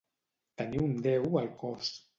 Tenir un déu al cos.